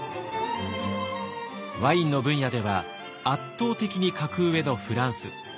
ワインの分野では圧倒的に格上のフランス。